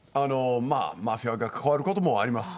マフィアが関わることもあります。